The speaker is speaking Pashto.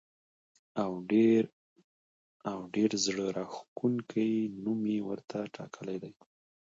او ډېر زړه راښکونکی نوم یې ورته ټاکلی دی.